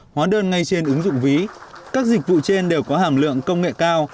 hóa đơn ngay trên ứng dụng ví các dịch vụ trên đều có hàm lượng công nghệ cao